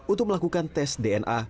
untuk melakukan tes dna